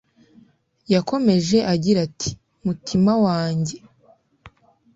yakomeje agira ati mutima wanjye